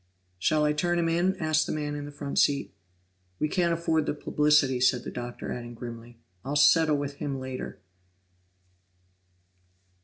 "Shall I turn him in?" asked the man in the front seat. "We can't afford the publicity," said the Doctor, adding grimly, "I'll settle with him later."